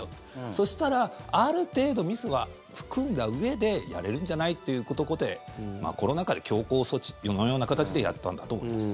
そしたらある程度ミスは含んだうえでやれるんじゃない？ということでコロナ禍で強硬措置のような形でやったんだと思います。